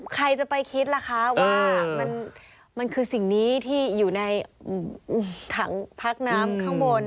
ใครจะไปคิดล่ะคะว่ามันคือสิ่งนี้ที่อยู่ในถังพักน้ำข้างบน